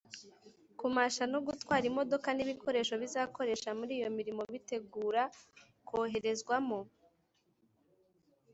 kumasha no gutwara imodoka n’ibikoresho bazakoresha muri iyo mirimo bitegura koherezwamo